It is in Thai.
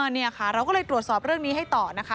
นี่ค่ะเราก็เลยตรวจสอบเรื่องนี้ให้ต่อนะคะ